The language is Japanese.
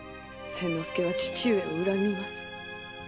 千之助は父上を恨みます。